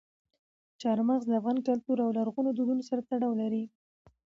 چار مغز د افغان کلتور او لرغونو دودونو سره تړاو لري.